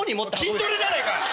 筋トレじゃねえか！